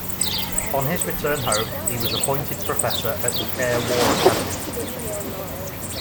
On his return home, he was appointed professor at the Air War Academy.